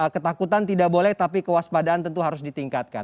ketakutan tidak boleh tapi kewaspadaan tentu harus ditingkatkan